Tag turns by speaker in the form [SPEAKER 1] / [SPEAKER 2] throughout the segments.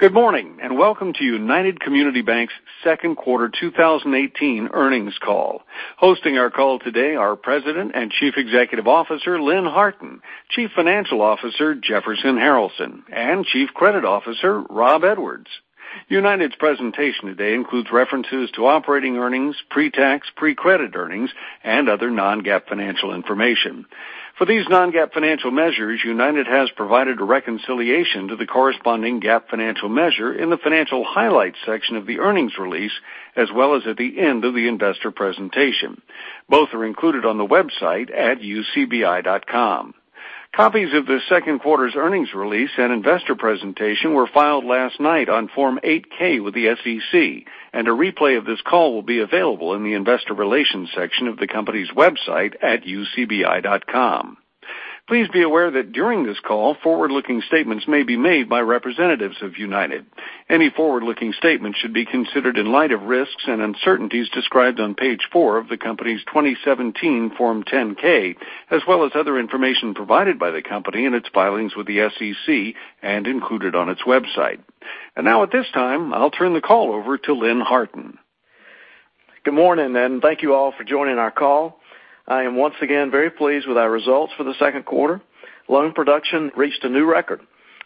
[SPEAKER 1] Good morning, and welcome to United Community Banks' second quarter 2018 earnings call. Hosting our call today are President and Chief Executive Officer, Lynn Harton, Chief Financial Officer, Jefferson Harralson, and Chief Credit Officer, Rob Edwards. United's presentation today includes references to operating earnings, pre-tax, pre-credit earnings, and other non-GAAP financial information. For these non-GAAP financial measures, United has provided a reconciliation to the corresponding GAAP financial measure in the financial highlights section of the earnings release, as well as at the end of the investor presentation. Both are included on the website at ucbi.com. Copies of this second quarter's earnings release and investor presentation were filed last night on Form 8-K with the SEC, and a replay of this call will be available in the investor relations section of the company's website at ucbi.com. Please be aware that during this call, forward-looking statements may be made by representatives of United. Any forward-looking statements should be considered in light of risks and uncertainties described on page four of the company's 2017 Form 10-K, as well as other information provided by the company in its filings with the SEC and included on its website. Now at this time, I'll turn the call over to Lynn Harton.
[SPEAKER 2] Good morning, and thank you all for joining our call. I am once again very pleased with our results for the second quarter. Loan production reached a new record.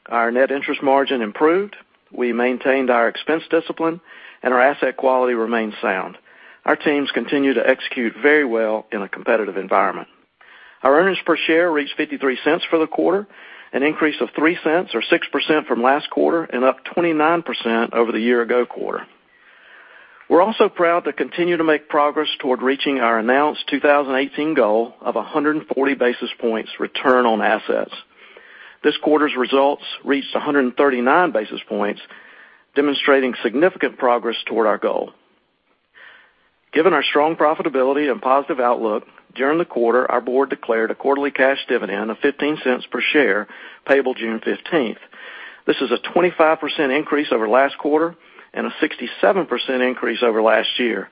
[SPEAKER 2] Our net interest margin improved. We maintained our expense discipline, and our asset quality remains sound. Our teams continue to execute very well in a competitive environment. Our earnings per share reached $0.53 for the quarter, an increase of $0.03 or 6% from last quarter and up 29% over the year-ago quarter. We're also proud to continue to make progress toward reaching our announced 2018 goal of 140 basis points return on assets. This quarter's results reached 139 basis points, demonstrating significant progress toward our goal. Given our strong profitability and positive outlook, during the quarter, our board declared a quarterly cash dividend of $0.15 per share, payable June 15th. This is a 25% increase over last quarter and a 67% increase over last year.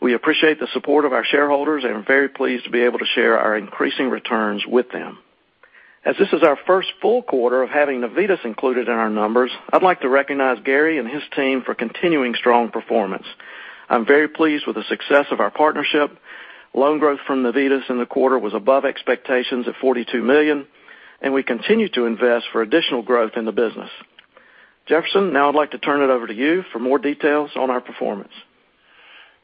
[SPEAKER 2] We appreciate the support of our shareholders and are very pleased to be able to share our increasing returns with them. As this is our first full quarter of having Navitas included in our numbers, I'd like to recognize Gary and his team for continuing strong performance. I'm very pleased with the success of our partnership. Loan growth from Navitas in the quarter was above expectations at $42 million, and we continue to invest for additional growth in the business. Jefferson, now I'd like to turn it over to you for more details on our performance.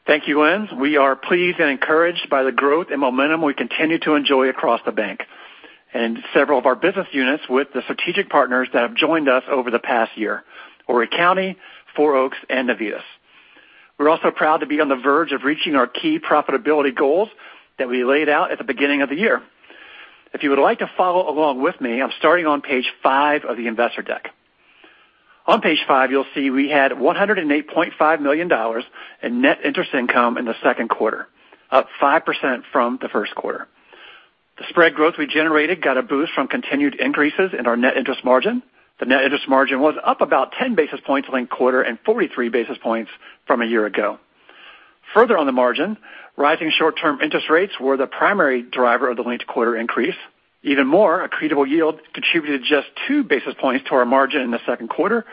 [SPEAKER 3] Thank you, Lynn. We are pleased and encouraged by the growth and momentum we continue to enjoy across the bank, and several of our business units with the strategic partners that have joined us over the past year, Horry County, Four Oaks, and Navitas. We are also proud to be on the verge of reaching our key profitability goals that we laid out at the beginning of the year. If you would like to follow along with me, I am starting on page five of the investor deck. On page five, you will see we had $108.5 million in net interest income in the second quarter, up 5% from the first quarter. The spread growth we generated got a boost from continued increases in our net interest margin. The net interest margin was up about 10 basis points linked quarter and 43 basis points from a year ago. Further on the margin, rising short-term interest rates were the primary driver of the linked quarter increase. Even more, accretable yield contributed just 2 basis points to our margin in the second quarter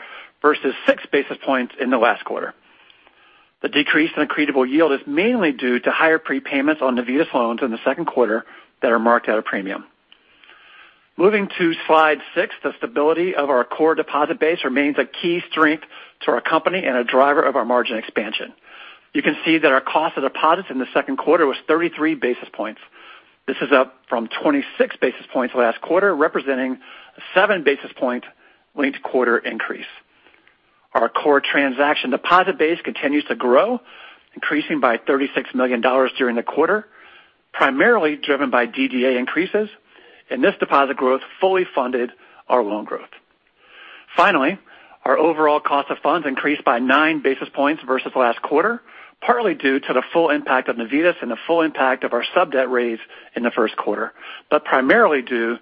[SPEAKER 3] versus 6 basis points in the last quarter. The decrease in accretable yield is mainly due to higher prepayments on Navitas loans in the second quarter that are marked at a premium. Moving to slide six, the stability of our core deposit base remains a key strength to our company and a driver of our margin expansion. You can see that our cost of deposits in the second quarter was 33 basis points. This is up from 26 basis points last quarter, representing a 7 basis point linked quarter increase. Our core transaction deposit base continues to grow, increasing by $36 million during the quarter, primarily driven by DDA increases, and this deposit growth fully funded our loan growth. Finally, our overall cost of funds increased by 9 basis points versus last quarter, partly due to the full impact of Navitas and the full impact of our sub-debt raise in the first quarter, but primarily due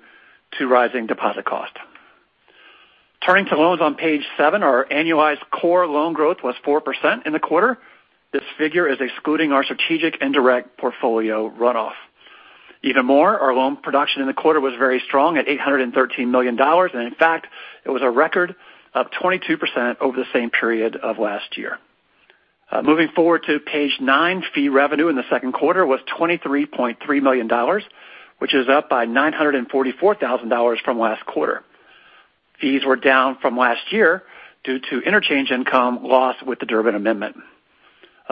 [SPEAKER 3] to rising deposit cost. Turning to loans on page seven, our annualized core loan growth was 4% in the quarter. This figure is excluding our strategic and direct portfolio runoff. Even more, our loan production in the quarter was very strong at $813 million, and in fact, it was a record up 22% over the same period of last year. Moving forward to page nine, fee revenue in the second quarter was $23.3 million, which is up by $944,000 from last quarter. Fees were down from last year due to interchange income loss with the Durbin Amendment.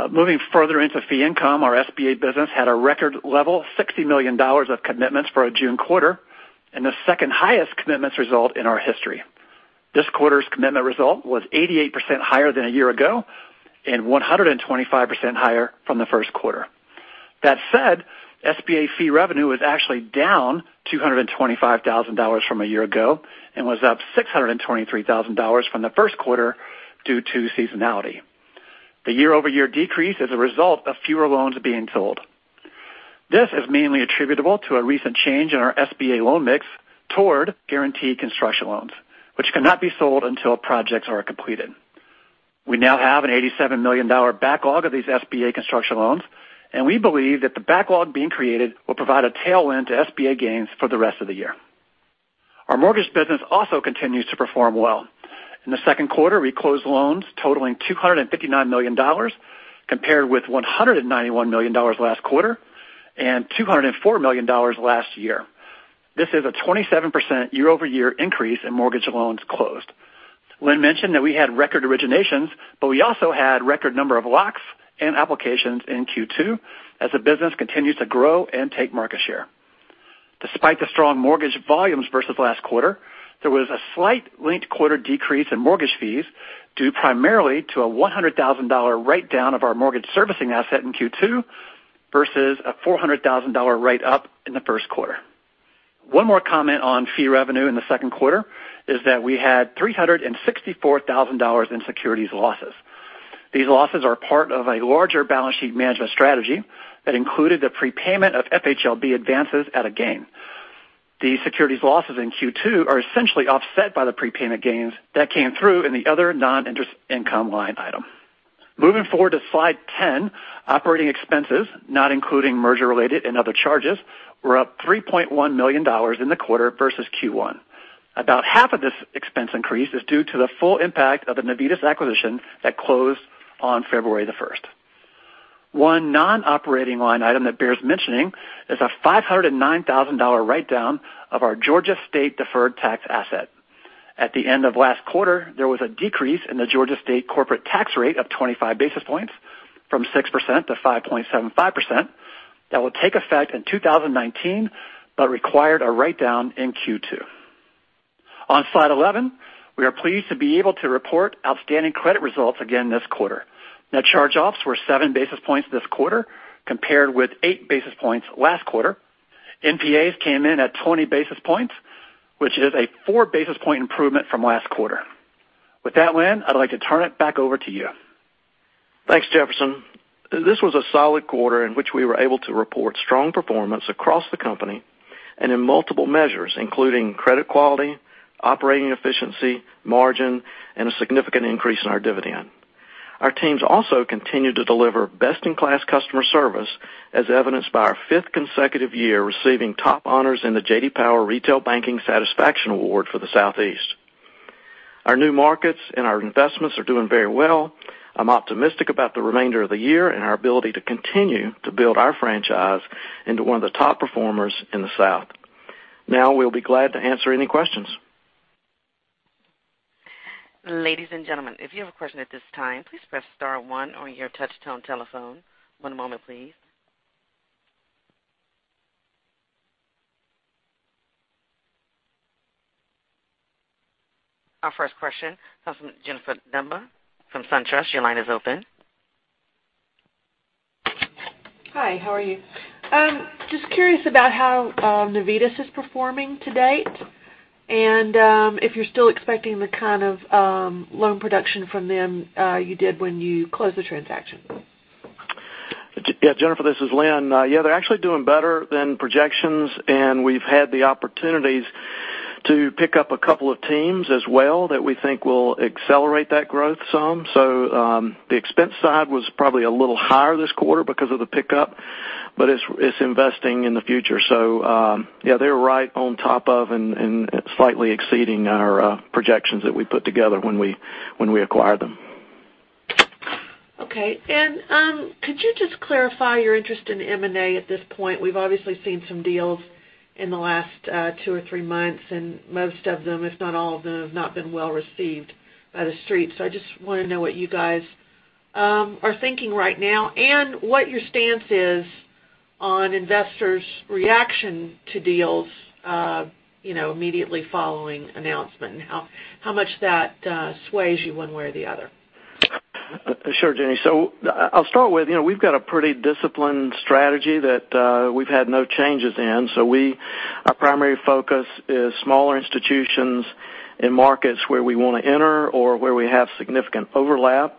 [SPEAKER 3] Moving further into fee income, our SBA business had a record level, $60 million of commitments for a June quarter, and the second highest commitments result in our history. This quarter's commitment result was 88% higher than a year ago and 125% higher from the first quarter. That said, SBA fee revenue was actually down $225,000 from a year ago and was up $623,000 from the first quarter due to seasonality. The year-over-year decrease is a result of fewer loans being sold. This is mainly attributable to a recent change in our SBA loan mix toward guaranteed construction loans, which cannot be sold until projects are completed. We now have an $87 million backlog of these SBA construction loans, and we believe that the backlog being created will provide a tailwind to SBA gains for the rest of the year. Our mortgage business also continues to perform well. In the second quarter, we closed loans totaling $259 million, compared with $191 million last quarter and $204 million last year. This is a 27% year-over-year increase in mortgage loans closed. Lynn mentioned that we had record originations, but we also had record number of locks and applications in Q2 as the business continues to grow and take market share. Despite the strong mortgage volumes versus last quarter, there was a slight linked quarter decrease in mortgage fees, due primarily to a $100,000 write-down of our mortgage servicing asset in Q2 versus a $400,000 write-up in the first quarter. One more comment on fee revenue in the second quarter is that we had $364,000 in securities losses. These losses are part of a larger balance sheet management strategy that included the prepayment of FHLB advances at a gain. The securities losses in Q2 are essentially offset by the prepayment gains that came through in the other non-interest income line item. Moving forward to slide 10, operating expenses, not including merger related and other charges, were up $3.1 million in the quarter versus Q1. About half of this expense increase is due to the full impact of the Navitas acquisition that closed on February the 1st. One non-operating line item that bears mentioning is a $509,000 write-down of our Georgia State deferred tax asset. At the end of last quarter, there was a decrease in the Georgia State corporate tax rate of 25 basis points from 6% to 5.75% that will take effect in 2019, but required a write-down in Q2. On slide 11, we are pleased to be able to report outstanding credit results again this quarter. Net charge-offs were seven basis points this quarter, compared with eight basis points last quarter. NPAs came in at 20 basis points, which is a four basis point improvement from last quarter. With that, Lynn, I'd like to turn it back over to you.
[SPEAKER 2] Thanks, Jefferson. This was a solid quarter in which we were able to report strong performance across the company and in multiple measures, including credit quality, operating efficiency, margin, and a significant increase in our dividend. Our teams also continued to deliver best-in-class customer service, as evidenced by our fifth consecutive year receiving top honors in the J.D. Power Retail Banking Satisfaction Award for the Southeast. Our new markets and our investments are doing very well. I'm optimistic about the remainder of the year and our ability to continue to build our franchise into one of the top performers in the South. Now, we'll be glad to answer any questions.
[SPEAKER 1] Ladies and gentlemen, if you have a question at this time, please press *1 on your touch-tone telephone. One moment, please. Our first question comes from Jennifer Demba from SunTrust. Your line is open.
[SPEAKER 4] Hi, how are you? Just curious about how Navitas is performing to date, and if you're still expecting the kind of loan production from them you did when you closed the transaction.
[SPEAKER 2] Yeah, Jennifer, this is Lynn. Yeah, they're actually doing better than projections, and we've had the opportunities to pick up a couple of teams as well that we think will accelerate that growth some. The expense side was probably a little higher this quarter because of the pickup, but it's investing in the future. Yeah, they're right on top of and slightly exceeding our projections that we put together when we acquired them.
[SPEAKER 4] Okay. Could you just clarify your interest in M&A at this point? We've obviously seen some deals in the last two or three months, Most of them, if not all of them, have not been well-received by The Street. I just want to know what you guys are thinking right now and what your stance is on investors' reaction to deals immediately following announcement, How much that sways you one way or the other.
[SPEAKER 2] Sure, Jenny. I'll start with, we've got a pretty disciplined strategy that we've had no changes in. Our primary focus is smaller institutions in markets where we want to enter or where we have significant overlap.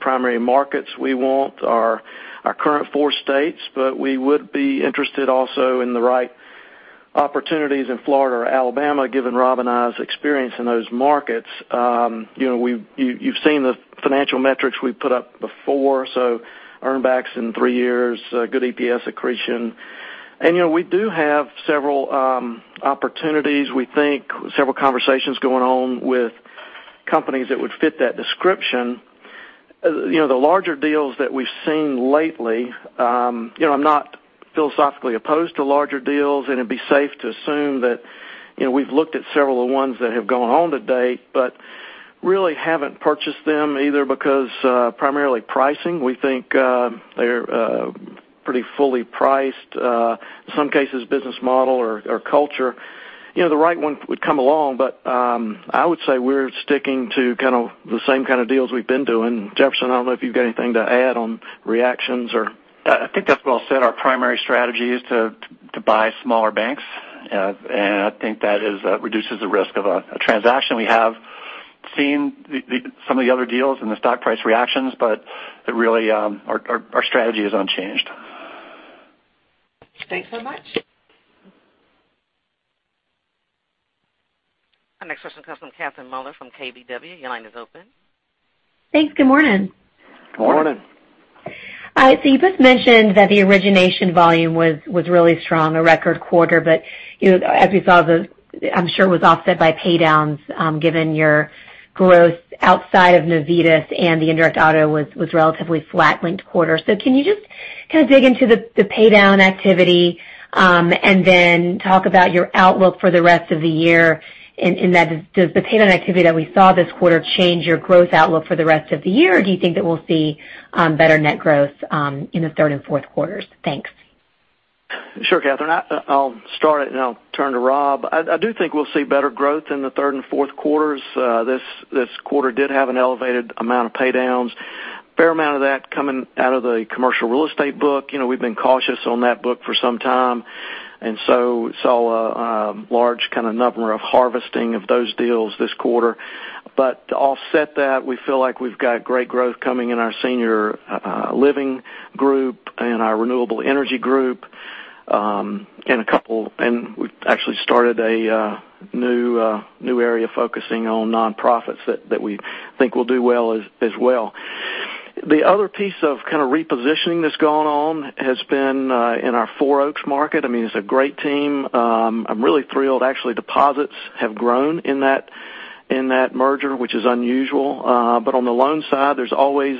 [SPEAKER 2] Primary markets we want are our current four states, but we would be interested also in the right opportunities in Florida or Alabama, given Rob and I's experience in those markets. You've seen the financial metrics we've put up before, earn backs in three years, good EPS accretion. We do have several opportunities, we think, several conversations going on with companies that would fit that description. The larger deals that we've seen lately, I'm not philosophically opposed to larger deals, and it'd be safe to assume that we've looked at several of ones that have gone on to date, but really haven't purchased them either because, primarily pricing, we think they're pretty fully priced, in some cases, business model or culture. The right one would come along, but I would say we're sticking to kind of the same kind of deals we've been doing. Jefferson, I don't know if you've got anything to add on reactions or
[SPEAKER 3] I think that's well said. Our primary strategy is to buy smaller banks, and I think that reduces the risk of a transaction. We have seen some of the other deals and the stock price reactions, but really, our strategy is unchanged.
[SPEAKER 4] Thanks so much.
[SPEAKER 1] Our next question comes from Catherine Mealor from KBW. Your line is open.
[SPEAKER 5] Thanks. Good morning.
[SPEAKER 2] Good morning.
[SPEAKER 5] All right. You both mentioned that the origination volume was really strong, a record quarter, but as we saw, I'm sure it was offset by pay downs, given your growth outside of Navitas and the indirect auto was relatively flat linked quarter. Can you just kind of dig into the pay down activity, and then talk about your outlook for the rest of the year in that, does the pay down activity that we saw this quarter change your growth outlook for the rest of the year? Or do you think that we'll see better net growth in the third and fourth quarters? Thanks.
[SPEAKER 2] Sure, Catherine. I'll start it and then I'll turn to Rob. I do think we'll see better growth in the third and fourth quarters. This quarter did have an elevated amount of paydowns. Fair amount of that coming out of the commercial real estate book. We've been cautious on that book for some time, saw a large kind of number of harvesting of those deals this quarter. To offset that, we feel like we've got great growth coming in our senior living group and our renewable energy group, and we actually started a new area focusing on nonprofits that we think will do well as well. The other piece of kind of repositioning that's gone on has been in our Four Oaks market. I mean, it's a great team. I'm really thrilled. Actually, deposits have grown in that merger, which is unusual. On the loan side, there's always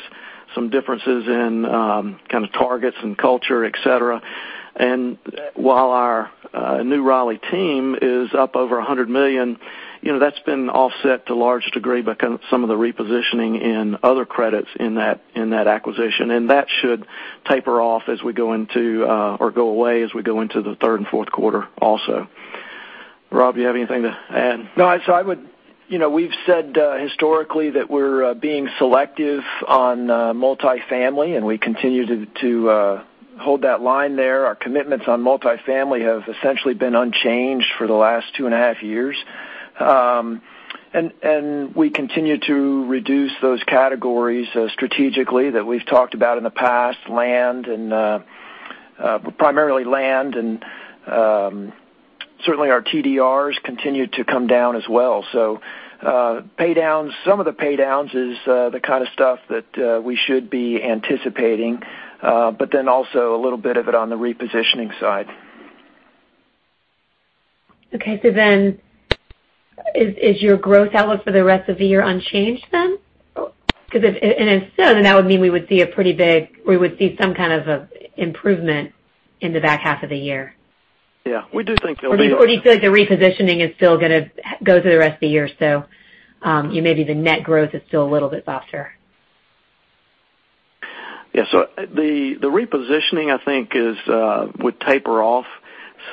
[SPEAKER 2] some differences in kind of targets and culture, et cetera. While our new Raleigh team is up over $100 million, that's been offset to a large degree by kind of some of the repositioning in other credits in that acquisition, and that should taper off as we go into or go away as we go into the third and fourth quarter also. Rob, you have anything to add?
[SPEAKER 6] No. We've said historically that we're being selective on multifamily, and we continue to hold that line there. Our commitments on multifamily have essentially been unchanged for the last two and a half years. We continue to reduce those categories strategically that we've talked about in the past, primarily land, and certainly our TDRs continue to come down as well. Some of the paydowns is the kind of stuff that we should be anticipating. Also a little bit of it on the repositioning side.
[SPEAKER 5] Okay. Is your growth outlook for the rest of the year unchanged then? Because if so, that would mean we would see some kind of improvement in the back half of the year.
[SPEAKER 2] Yeah. We do think there'll be
[SPEAKER 5] Do you feel like the repositioning is still going to go through the rest of the year, so maybe the net growth is still a little bit softer?
[SPEAKER 2] Yeah. The repositioning, I think, would taper off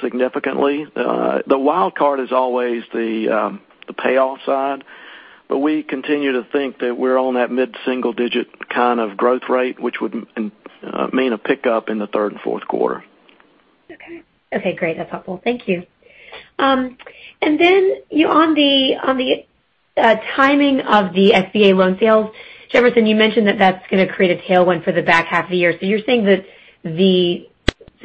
[SPEAKER 2] significantly. The wild card is always the payoff side, but we continue to think that we're on that mid-single digit kind of growth rate, which would mean a pickup in the third and fourth quarter.
[SPEAKER 5] Okay. Okay, great. That's helpful. Thank you. On the timing of the SBA loan sales, Jefferson, you mentioned that that's going to create a tailwind for the back half of the year. You're saying that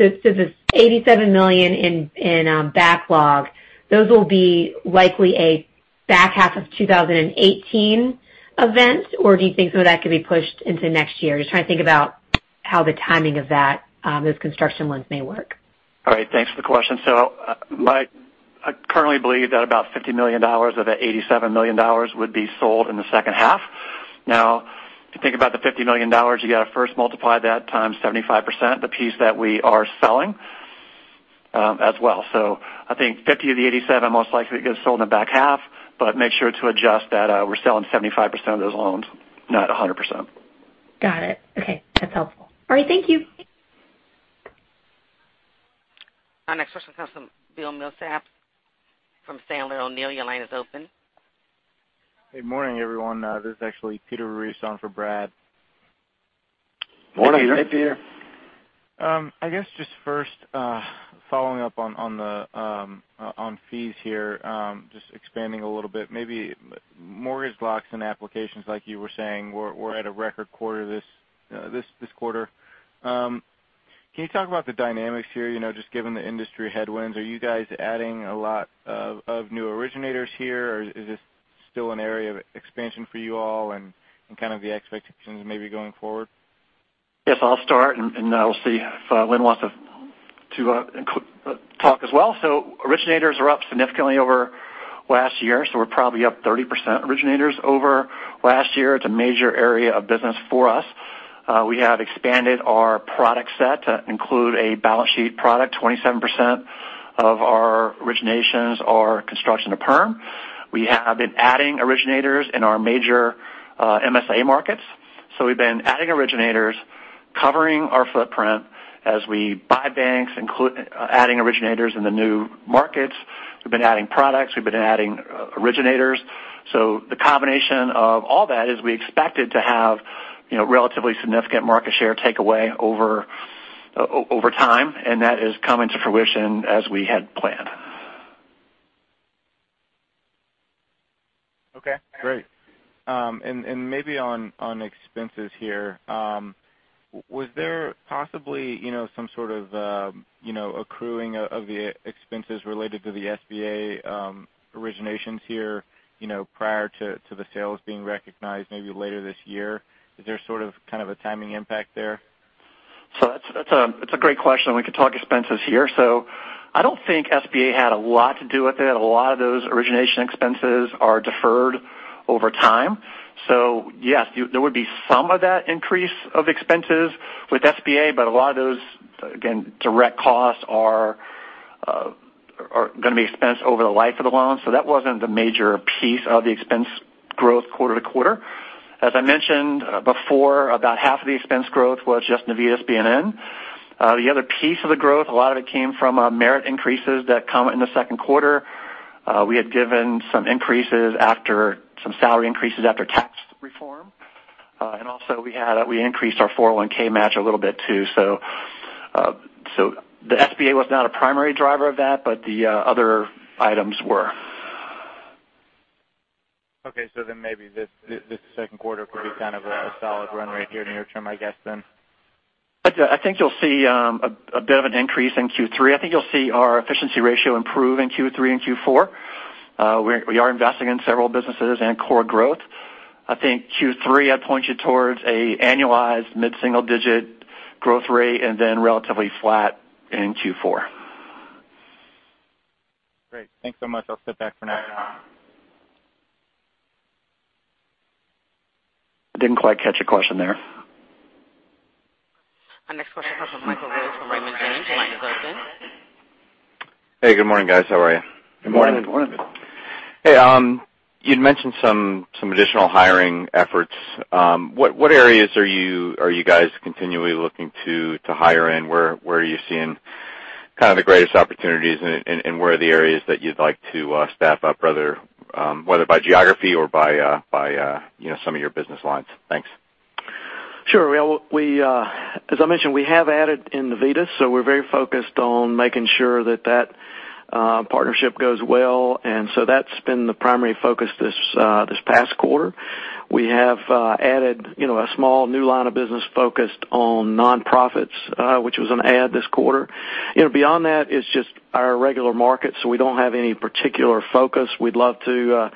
[SPEAKER 5] this $87 million in backlog, those will be likely a back half of 2018 event, or do you think some of that could be pushed into next year? Just trying to think about how the timing of that, those construction loans may work.
[SPEAKER 3] All right. Thanks for the question. I currently believe that about $50 million of that $87 million would be sold in the second half. If you think about the $50 million, you got to first multiply that times 75%, the piece that we are selling as well. I think $50 million of the $87 million most likely gets sold in the back half, but make sure to adjust that we're selling 75% of those loans, not 100%.
[SPEAKER 5] Got it. Okay. That's helpful. All right. Thank you.
[SPEAKER 1] Our next question comes from Bill Milsaps from Sandler O'Neill. Your line is open.
[SPEAKER 7] Good morning, everyone. This is actually Peter Ruiz on for Brad.
[SPEAKER 3] Morning. Hey, Peter.
[SPEAKER 7] I guess just first, following up on fees here, just expanding a little bit, maybe mortgage locks and applications, like you were saying, were at a record quarter this quarter. Can you talk about the dynamics here, just given the industry headwinds? Are you guys adding a lot of new originators here, or is this still an area of expansion for you all and kind of the expectations maybe going forward?
[SPEAKER 3] Yes, I'll start, and I'll see if Lynn wants to talk as well. Originators are up significantly over last year. We're probably up 30% originators over last year. It's a major area of business for us. We have expanded our product set to include a balance sheet product. 27% of our originations are construction to perm. We have been adding originators in our major MSA markets. We've been adding originators covering our footprint as we buy banks, adding originators in the new markets. We've been adding products. We've been adding originators. The combination of all that is we expected to have relatively significant market share takeaway over time, and that is coming to fruition as we had planned.
[SPEAKER 7] Okay, great. Maybe on expenses here, was there possibly some sort of accruing of the expenses related to the SBA originations here prior to the sales being recognized maybe later this year? Is there sort of a timing impact there?
[SPEAKER 3] That's a great question. We can talk expenses here. I don't think SBA had a lot to do with it. A lot of those origination expenses are deferred over time. Yes, there would be some of that increase of expenses with SBA, but a lot of those, again, direct costs are going to be expensed over the life of the loan. That wasn't the major piece of the expense growth quarter-over-quarter. As I mentioned before, about half of the expense growth was just Navitas BNN. The other piece of the growth, a lot of it came from merit increases that come in the second quarter. We had given some salary increases after tax reform. Also we increased our 401(k) match a little bit too. The SBA was not a primary driver of that, but the other items were.
[SPEAKER 7] Okay. Maybe this second quarter could be kind of a solid run right here near term, I guess then.
[SPEAKER 3] I think you'll see a bit of an increase in Q3. I think you'll see our efficiency ratio improve in Q3 and Q4. We are investing in several businesses and core growth. I think Q3, I'd point you towards a annualized mid-single-digit growth rate and then relatively flat in Q4.
[SPEAKER 7] Great. Thanks so much. I'll step back for now.
[SPEAKER 2] I didn't quite catch the question there.
[SPEAKER 1] Our next question comes from Michael Rose from Raymond James. Your line is open.
[SPEAKER 8] Hey, good morning, guys. How are you?
[SPEAKER 3] Good morning.
[SPEAKER 2] Morning.
[SPEAKER 8] Hey, you'd mentioned some additional hiring efforts. What areas are you guys continually looking to hire in? Where are you seeing kind of the greatest opportunities, and where are the areas that you'd like to staff up, whether by geography or by some of your business lines? Thanks.
[SPEAKER 2] Sure. As I mentioned, we have added in Navitas, so we're very focused on making sure that that partnership goes well. That's been the primary focus this past quarter. We have added a small new line of business focused on nonprofits, which was an add this quarter. Beyond that, it's just our regular market, so we don't have any particular focus. We'd love to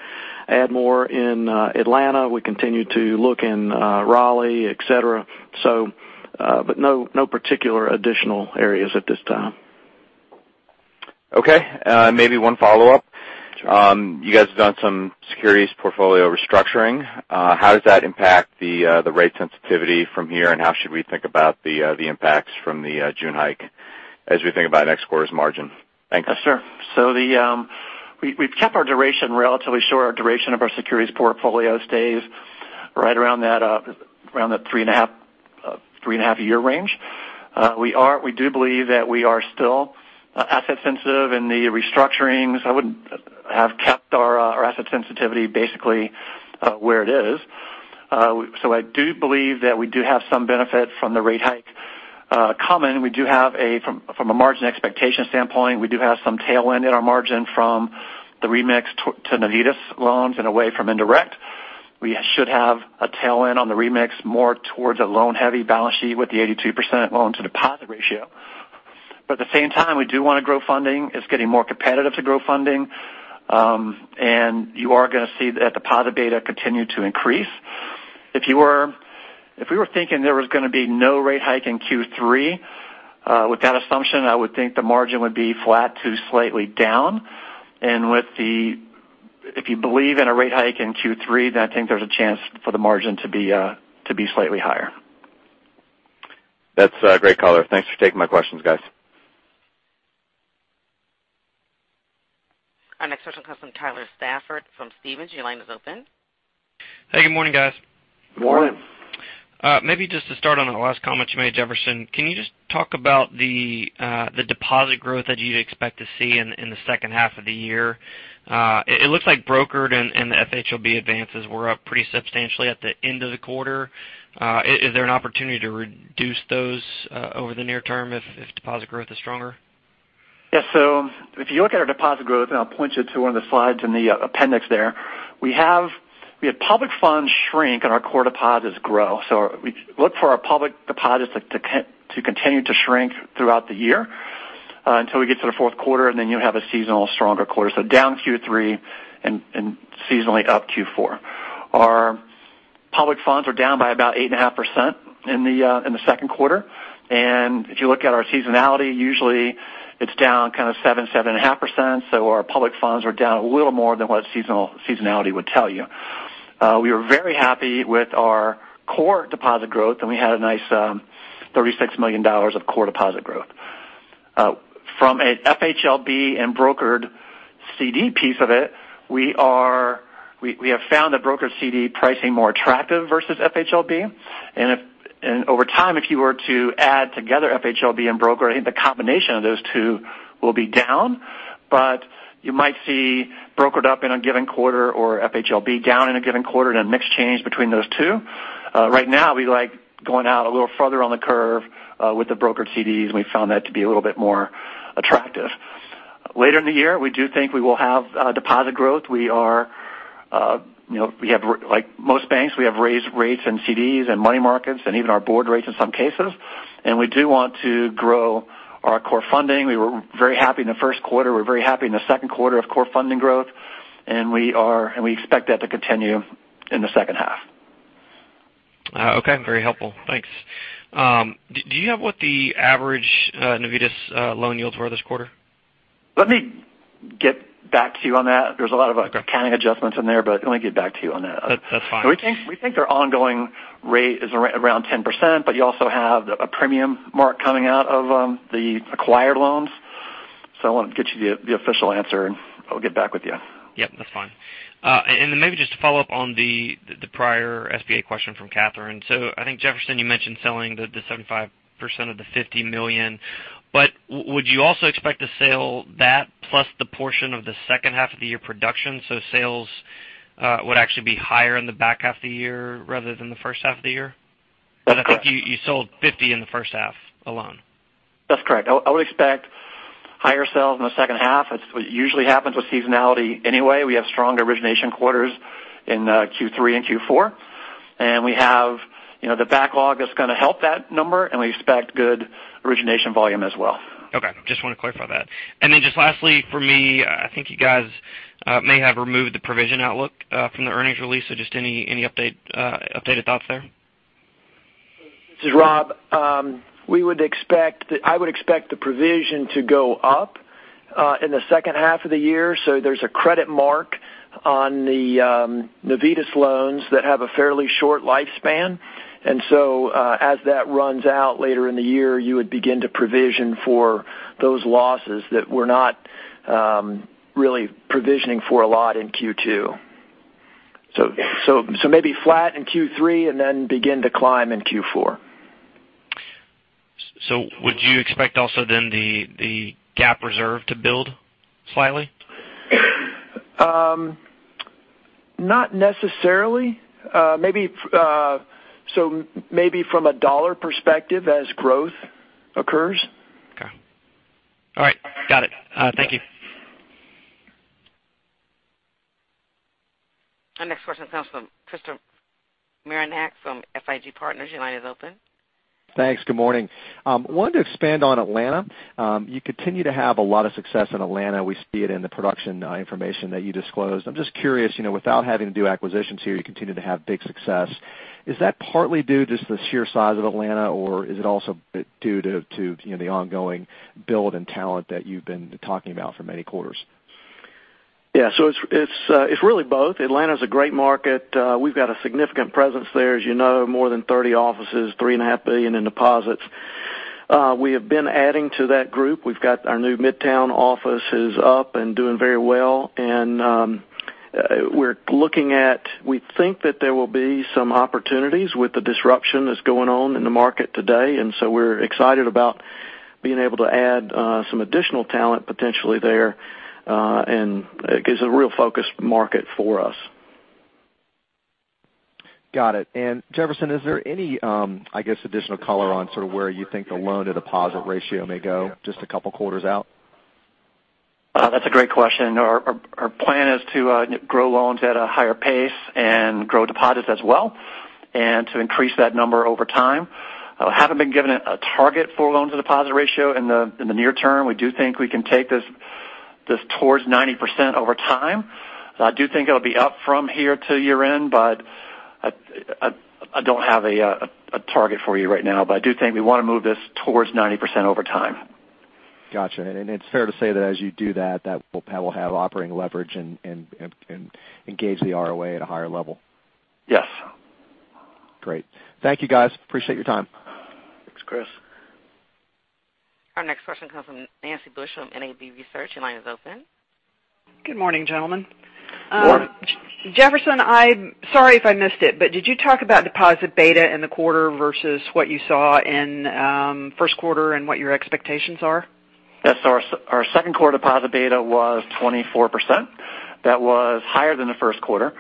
[SPEAKER 2] add more in Atlanta. We continue to look in Raleigh, et cetera, but no particular additional areas at this time.
[SPEAKER 8] Okay. Maybe one follow-up.
[SPEAKER 2] Sure.
[SPEAKER 8] You guys have done some securities portfolio restructuring. How does that impact the rate sensitivity from here, and how should we think about the impacts from the June hike as we think about next quarter's margin? Thanks.
[SPEAKER 2] Yes, sir. We've kept our duration relatively short. Our duration of our securities portfolio stays right around that three and a half year range. We do believe that we are still asset sensitive in the restructurings. I wouldn't have kept our asset sensitivity basically where it is. I do believe that we do have some benefit from the rate hike coming. From a margin expectation standpoint, we do have some tailwind in our margin from the remix to Navitas loans and away from indirect. We should have a tailwind on the remix more towards a loan-heavy balance sheet with the 82% loan-to-deposit ratio. At the same time, we do want to grow funding. It's getting more competitive to grow funding. You are going to see the deposit beta continue to increase.
[SPEAKER 3] If we were thinking there was going to be no rate hike in Q3, with that assumption, I would think the margin would be flat to slightly down. If you believe in a rate hike in Q3, I think there's a chance for the margin to be slightly higher.
[SPEAKER 8] That's great color. Thanks for taking my questions, guys.
[SPEAKER 1] Our next question comes from Tyler Stafford from Stephens. Your line is open.
[SPEAKER 9] Hey, good morning, guys.
[SPEAKER 2] Good morning.
[SPEAKER 9] Maybe just to start on the last comment you made, Jefferson, can you just talk about the deposit growth that you'd expect to see in the second half of the year? It looks like brokered and the FHLB advances were up pretty substantially at the end of the quarter. Is there an opportunity to reduce those over the near term if deposit growth is stronger?
[SPEAKER 3] Yeah. If you look at our deposit growth, I'll point you to one of the slides in the appendix there, we had public funds shrink and our core deposits grow. We look for our public deposits to continue to shrink throughout the year until we get to the fourth quarter, then you'll have a seasonal stronger quarter. Down Q3 and seasonally up Q4. Our public funds were down by about 8.5% in the second quarter. If you look at our seasonality, usually it's down kind of 7%, 7.5%, so our public funds were down a little more than what seasonality would tell you. We were very happy with our core deposit growth, and we had a nice $36 million of core deposit growth. From an FHLB and brokered CD piece of it, we have found the brokered CD pricing more attractive versus FHLB. Over time, if you were to add together FHLB and brokered, I think the combination of those two will be down. You might see brokered up in a given quarter or FHLB down in a given quarter and a mix change between those two. Right now, we like going out a little further on the curve with the brokered CDs, and we found that to be a little bit more attractive. Later in the year, we do think we will have deposit growth. Like most banks, we have raised rates and CDs and money markets, and even our board rates in some cases. We do want to grow our core funding. We were very happy in the first quarter, we're very happy in the second quarter of core funding growth, and we expect that to continue in the second half.
[SPEAKER 9] Okay. Very helpful. Thanks. Do you have what the average Navitas loan yields were this quarter?
[SPEAKER 3] Let me get back to you on that. There's a lot of accounting adjustments in there, but let me get back to you on that.
[SPEAKER 9] That's fine.
[SPEAKER 3] We think their ongoing rate is around 10%, but you also have a premium mark coming out of the acquired loans. I want to get you the official answer, and I'll get back with you.
[SPEAKER 9] Yep, that's fine. Maybe just to follow up on the prior SBA question from Catherine Mealor. I think Jefferson Harralson, you mentioned selling the 75% of the $50 million, but would you also expect to sell that plus the portion of the second half of the year production, so sales would actually be higher in the back half of the year rather than the first half of the year? I think you sold $50 million in the first half alone.
[SPEAKER 3] That's correct. I would expect higher sales in the second half. It usually happens with seasonality anyway. We have strong origination quarters in Q3 and Q4, and we have the backlog that's going to help that number, and we expect good origination volume as well.
[SPEAKER 9] Okay. Just want to clarify that. Just lastly for me, I think you guys may have removed the provision outlook from the earnings release. Just any updated thoughts there?
[SPEAKER 6] This is Rob. I would expect the provision to go up in the second half of the year. There's a credit mark on the Navitas loans that have a fairly short lifespan. As that runs out later in the year, you would begin to provision for those losses that we're not really provisioning for a lot in Q2. Maybe flat in Q3 and then begin to climb in Q4.
[SPEAKER 9] Would you expect also then the GAAP reserve to build slightly?
[SPEAKER 6] Not necessarily. Maybe from a dollar perspective as growth occurs.
[SPEAKER 9] Okay. All right. Got it. Thank you.
[SPEAKER 1] Our next question comes from Christopher Marinac from FIG Partners. Your line is open.
[SPEAKER 10] Thanks. Good morning. I wanted to expand on Atlanta. You continue to have a lot of success in Atlanta. We see it in the production information that you disclosed. I'm just curious, without having to do acquisitions here, you continue to have big success. Is that partly due just to the sheer size of Atlanta, or is it also due to the ongoing build and talent that you've been talking about for many quarters?
[SPEAKER 2] Yeah. It's really both. Atlanta's a great market. We've got a significant presence there, as you know, more than 30 offices, $3.5 billion in deposits. We have been adding to that group. We've got our new midtown office is up and doing very well. We think that there will be some opportunities with the disruption that's going on in the market today. We're excited about being able to add some additional talent potentially there. It gives a real focused market for us.
[SPEAKER 10] Got it. Jefferson, is there any, I guess, additional color on sort of where you think the loan to deposit ratio may go just a couple of quarters out?
[SPEAKER 3] That's a great question. Our plan is to grow loans at a higher pace and grow deposits as well, and to increase that number over time. I haven't been given a target for loan to deposit ratio in the near term. We do think we can take this towards 90% over time. I do think it'll be up from here to year-end, but I don't have a target for you right now. I do think we want to move this towards 90% over time.
[SPEAKER 10] Got you. It's fair to say that as you do that will have operating leverage and engage the ROA at a higher level.
[SPEAKER 3] Yes.
[SPEAKER 10] Great. Thank you, guys. Appreciate your time.
[SPEAKER 2] Thanks, Chris.
[SPEAKER 1] Our next question comes from Nancy Bush of NAB Research. Your line is open.
[SPEAKER 11] Good morning, gentlemen.
[SPEAKER 2] Morning.
[SPEAKER 11] Jefferson, I'm sorry if I missed it, but did you talk about deposit beta in the quarter versus what you saw in first quarter and what your expectations are?
[SPEAKER 3] Our second quarter deposit beta was 24%. That was higher than the first quarter.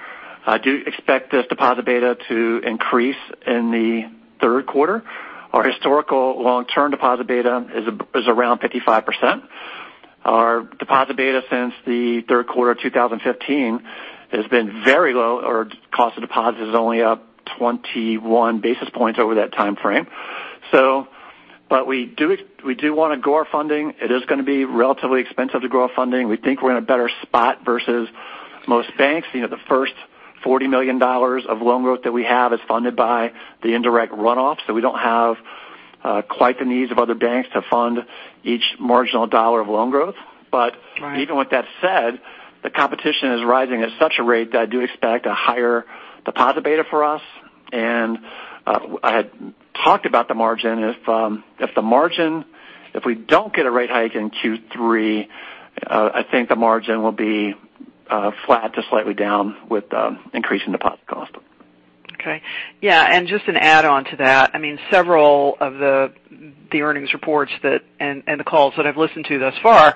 [SPEAKER 3] I do expect this deposit beta to increase in the third quarter. Our historical long-term deposit beta is around 55%. Our deposit beta since the third quarter of 2015 has been very low, or cost of deposit is only up 21 basis points over that timeframe. We do want to grow our funding. It is going to be relatively expensive to grow our funding. We think we're in a better spot versus most banks. The first $40 million of loan growth that we have is funded by the indirect runoff. We don't have quite the needs of other banks to fund each marginal dollar of loan growth. Even with that said, the competition is rising at such a rate that I do expect a higher deposit beta for us. I had talked about the margin. If we don't get a rate hike in Q3, I think the margin will be flat to slightly down with increasing deposit cost.
[SPEAKER 11] Okay. Yeah, just an add-on to that, several of the earnings reports and the calls that I've listened to thus far,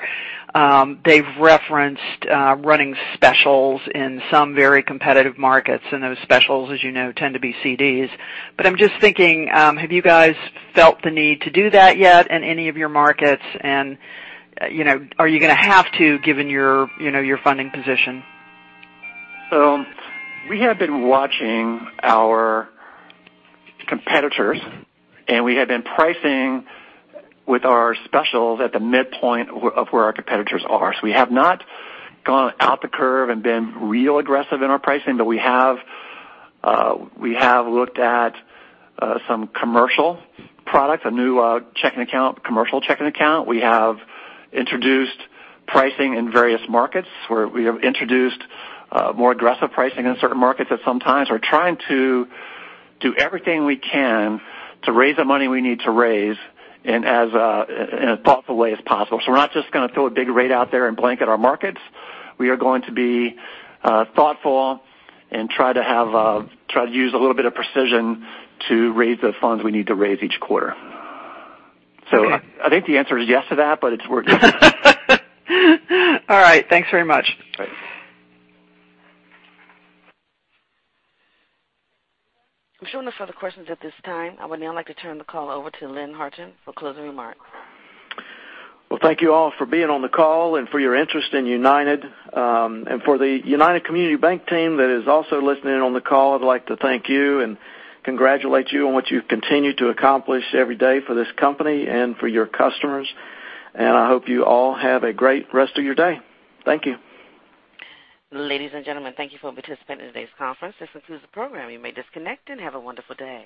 [SPEAKER 11] they've referenced running specials in some very competitive markets, and those specials, as you know, tend to be CDs. I'm just thinking, have you guys felt the need to do that yet in any of your markets, and are you going to have to given your funding position?
[SPEAKER 3] We have been watching our competitors, and we have been pricing with our specials at the midpoint of where our competitors are. We have not gone out the curve and been real aggressive in our pricing, but we have looked at some commercial products, a new commercial checking account. We have introduced pricing in various markets where we have introduced more aggressive pricing in certain markets at some times. We're trying to do everything we can to raise the money we need to raise in as thoughtful way as possible. We're not just going to throw a big rate out there and blanket our markets. We are going to be thoughtful and try to use a little bit of precision to raise the funds we need to raise each quarter. I think the answer is yes to that, but it's work.
[SPEAKER 11] All right. Thanks very much.
[SPEAKER 3] Thanks.
[SPEAKER 1] I'm showing no further questions at this time. I would now like to turn the call over to Lynn Harton for closing remarks.
[SPEAKER 2] Well, thank you all for being on the call and for your interest in United. For the United Community Banks team that is also listening in on the call, I'd like to thank you and congratulate you on what you've continued to accomplish every day for this company and for your customers. I hope you all have a great rest of your day. Thank you.
[SPEAKER 1] Ladies and gentlemen, thank you for participating in today's conference. This concludes the program. You may disconnect and have a wonderful day.